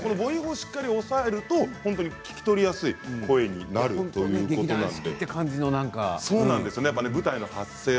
しっかり押さえると聞き取りやすい声になるということです。